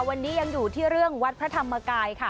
วันนี้ยังอยู่ที่เรื่องวัดพระธรรมกายค่ะ